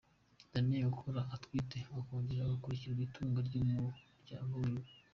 Raneen akora utwiwe akongera agakurikirana itunga ry'umuryango wiwe.